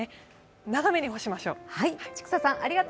長めに干しましょう。